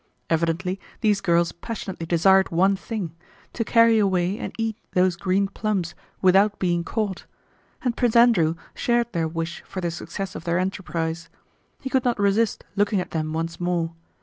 Evidently these girls passionately desired one thing—to carry away and eat those green plums without being caught—and Prince Andrew shared their wish for the success of their enterprise. He could not resist looking at them once more.